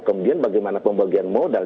kemudian bagaimana pembagian modal